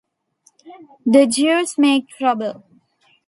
The Jews make trouble.